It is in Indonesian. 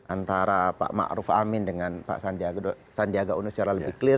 antara pak ma'ruf amin dengan pak sandiaga uno secara lebih clear